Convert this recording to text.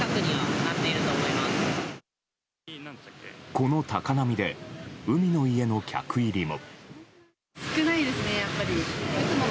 この高波で海の家の客入りも。